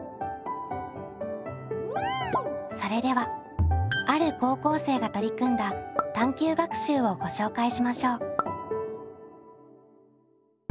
それではある高校生が取り組んだ探究学習をご紹介しましょう。